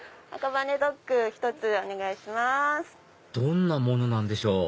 どんなものなんでしょう？